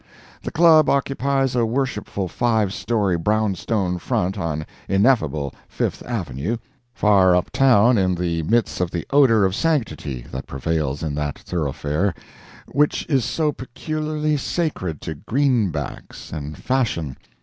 The Club occupies a worshipful five story brownstone front on ineffable Fifth Avenue, far up town in the midst of the odor of sanctity that prevails in that thoroughfare, which is so peculiarly sacred to greenbacks and fashion.